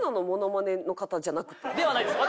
えっ？ではないです。